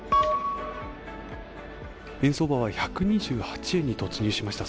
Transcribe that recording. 円相場は１２８円に突入しました